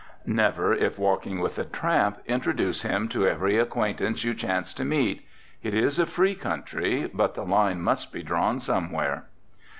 Never, if walking with a tramp, introduce him to every acquaintance you chance to meet. It is a free country, but the line must be drawn somewhere.